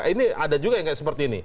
ini ada juga yang kayak seperti ini